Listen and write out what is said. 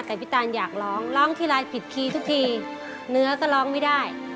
แต่พี่ตานอยากร้องร้องทีไรผิดพีทุกทีเนื้อก็ร้องไม่ได้